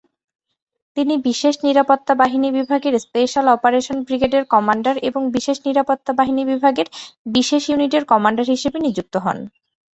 তিনি বিশেষ নিরাপত্তা বাহিনী বিভাগের স্পেশাল অপারেশন ব্রিগেডের কমান্ডার এবং বিশেষ নিরাপত্তা বাহিনী বিভাগের বিশেষ ইউনিটের কমান্ডার হিসেবে নিযুক্ত হন।